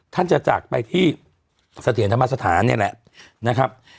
ท่านจะจากไปที่เสถียรธรรมสถานนี่แหละนะครับ